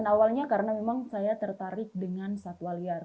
awalnya karena memang saya tertarik dengan satwa liar